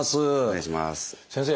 先生。